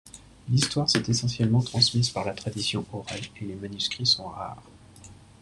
L'histoire s'est essentiellement transmise par la tradition orale, et les manuscrits sont rares.